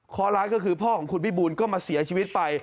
ข้อร้ายก็คือพ่อของคุณพี่บูลก็มาเสียชีวิตไป